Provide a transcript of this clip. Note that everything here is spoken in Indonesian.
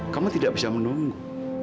kamu tidak bisa menunggu